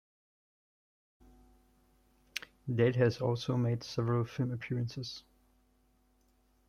Dale has also made several film appearances.